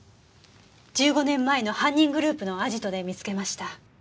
１５年前の犯人グループのアジトで見つけました。